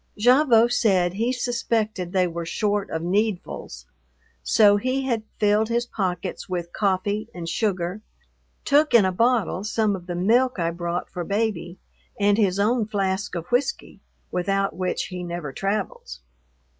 Gavotte said he suspected they were short of "needfuls," so he had filled his pockets with coffee and sugar, took in a bottle some of the milk I brought for Baby, and his own flask of whiskey, without which he never travels.